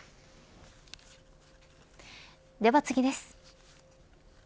では次です。